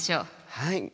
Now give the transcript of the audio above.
はい。